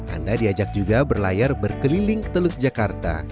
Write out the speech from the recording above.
anda diajak juga berlayar berkeliling ke teluk jakarta